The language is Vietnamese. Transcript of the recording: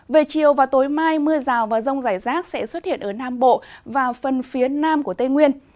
về chiều và tối mai mưa rào và rông rải rác sẽ xuất hiện ở nam bộ và phần phía nam của tây nguyên